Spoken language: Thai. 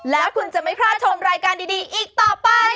แล้วคุณจะไม่พลาดชมรายการดีอีกต่อไป